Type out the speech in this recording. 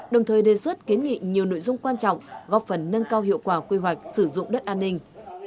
đồng thời đề xuất kiến nghị nhiều nội dung quan trọng góp phần nâng cao hiệu quả quy hoạch sử dụng đất an ninh